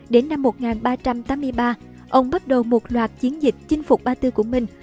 đến năm một nghìn ba trăm tám mươi ba ông bắt đầu một loạt chiến dịch chinh phục ba tư của mình